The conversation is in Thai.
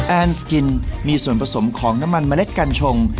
แอนสกินมีส่วนผสมของน้ำมันเมล็ดกัญชง